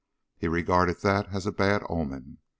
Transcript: He regarded that as a bad omen.